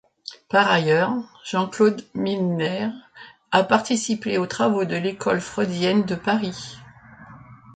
Par ailleurs, Jean-Claude Milner a participé aux travaux de l'École freudienne de Paris.